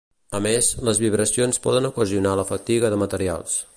A més, les vibracions poden ocasionar la fatiga de materials.